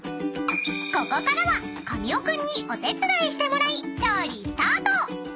［ここからは神尾君にお手伝いしてもらい調理スタート！］